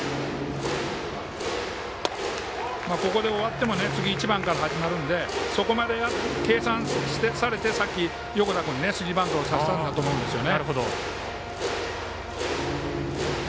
ここで終わっても次、１番から始まるのでそこまで計算されてさっき横田君にスリーバントをさせたと思うんですね。